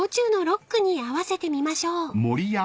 ロックに合わせてみましょう］